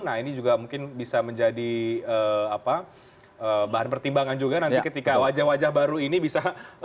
nah ini juga mungkin bisa menjadi bahan pertimbangan juga nanti ketika wajah wajah baru ini bisa